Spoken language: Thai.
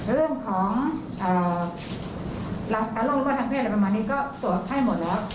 เรื่องของลักษณะโลกและล่อมทางเพศก็ตัวให้หมดแล้ว